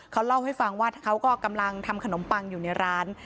เขาเล่าให้ฟังว่าเขาก็กำลังทำขนมปังอยู่ในร้าน